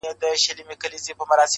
خو تر لمر یو حقیقت راته روښان دی!